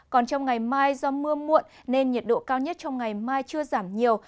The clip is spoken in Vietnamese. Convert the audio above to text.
còn trong ngày mai do mưa muộn nên nhiệt độ cao nhất trong ngày mai chưa giảm nhiều